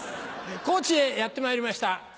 高知へやってまいりました。